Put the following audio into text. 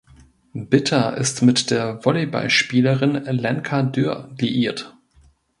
Bitter ist mit der Volleyballspielerin Lenka Dürr liiert.